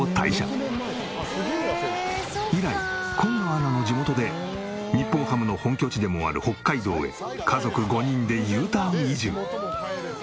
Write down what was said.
以来紺野アナの地元で日本ハムの本拠地でもある北海道へ家族５人でＵターン移住。